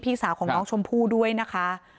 พี่สาวของน้องชมพู่ด้วยนะคะ